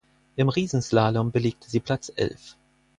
Im Riesenslalom belegte sie Platz elf.